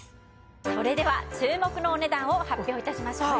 それでは注目のお値段を発表致しましょう。